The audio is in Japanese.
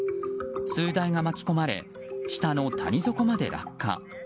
数台が巻き込まれ下の谷底まで落下。